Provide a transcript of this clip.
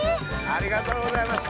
ありがとうございます